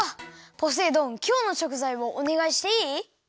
ポセイ丼きょうのしょくざいをおねがいしていい？